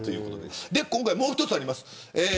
今回、もう一つあります。